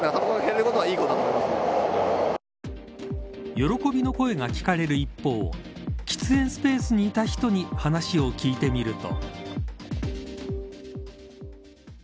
喜びの声が聞かれる一方喫煙スペースにいた人に話を聞いてみると。